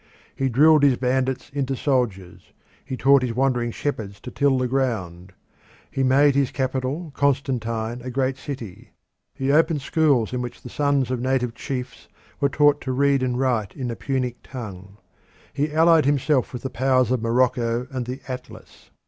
He drilled his bandits into soldiers; he taught his wandering shepherds to till the ground. He made his capital, Constantine, a great city; he opened schools in which the sons of native chiefs were taught to read and write in the Punic tongue. He allied himself with the powers of Morocco and the Atlas.